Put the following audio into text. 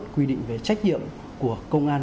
quy định về trách nhiệm của công an